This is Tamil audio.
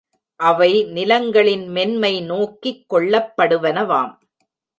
அவை நிலங்களின் மென்மை நோக்கிக் கொள்ளப்படுவனவாம்.